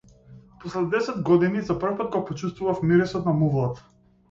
После десет години, за прв пат го почувствував мирисот на мувлата.